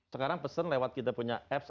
sekarang pesen lewat kita punya apps